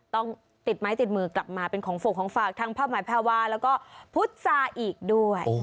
ต้องติดไม้ติดมือกลับมาเป็นของฝกของฝากทั้งผ้าหมายแพรวาแล้วก็พุษาอีกด้วย